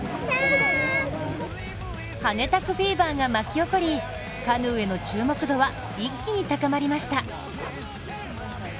ハネタクフィーバーが巻き起こりカヌーへの注目度は一気に高まりました。